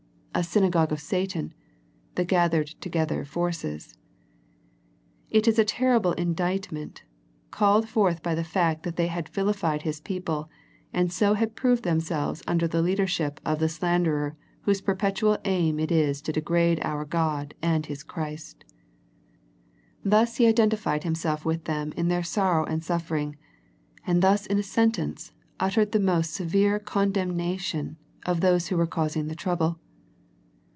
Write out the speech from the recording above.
. A synagogue of Satan, the gathered together forces. It is a terrible in dictment, called forth by the fact that they had vilified His people, and so had proved them selves under the leadership of the slanderer whose perpetual aim it is to degrade our God and His Christ. Thus He identified Himself with them in their sorrow and suffering, and thus in a sen tence uttered the most severe condemnation of those who were causing the trouble.